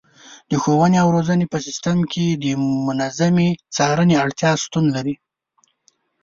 د ښوونې او روزنې په سیستم کې د منظمې څارنې اړتیا شتون لري.